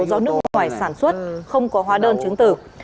do nước ngoài sản xuất không có hóa đơn chứng tử